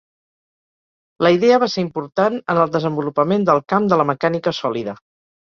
La idea va ser important en el desenvolupament del camp de la mecànica sòlida.